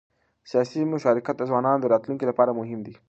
سیاسي مشارکت د ځوانانو د راتلونکي لپاره مهم دی